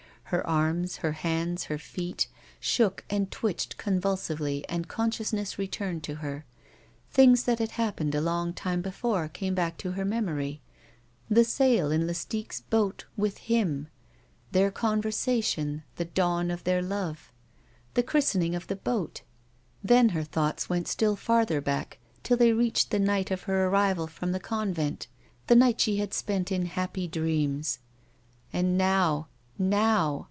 Her arms, her hands, her feet, shook and twitched convulsively, and consciousness returned to her. Things that had happened a long time before came back to her memory: the sail in Lastique's boat with him, their conversation, the dawn of their love, the christening of the boat ; then her thoughts went still farther back till they reached the night of her arrival from the convent — the night she had spent in happy dreams. And now, now